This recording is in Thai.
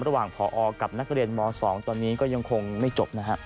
ระหว่างพอกับนักเรียนม๒ตอนนี้ก็ยังคงไม่จบนะครับ